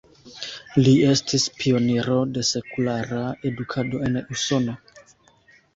Li estis pioniro de sekulara edukado en Usono.